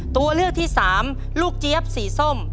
ตัวเลือกที่สามลูกเจี๊ยบสีส้ม